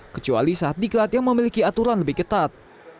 kecuali saat diklat yang memiliki aturan lebih ketat